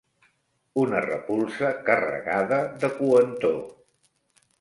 Una repulsa carregada de coentor.